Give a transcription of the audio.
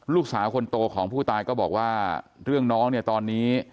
ลูกสาวคนโตของผู้ตายก็บอกว่าเรื่องน้องเนี่ยตอนนี้